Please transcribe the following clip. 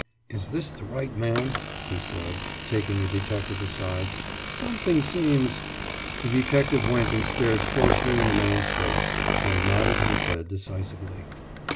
»Is this the right man?« he said, taking a detective aside. »Something seems....« The detective went and stared closely in the man's face, then nodded his head decisively.